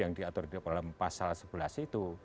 yang diatur di dalam pasal sebelah situ